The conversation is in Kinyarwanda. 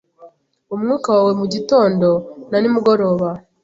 umwuka wawe mugitondo na nimugoroba